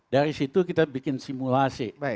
dari situ kita bikin simulasi